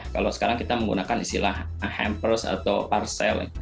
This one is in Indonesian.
kalau sekarang kita menggunakan istilah hampers atau parcel